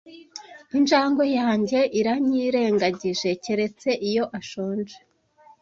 Injangwe yanjye iranyirengagije, keretse iyo ashonje.